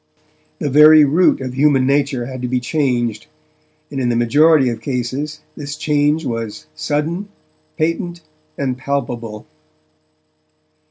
The very root of human nature had to be changed, and, in the majority of cases, this change was sudden, patent, and palpable.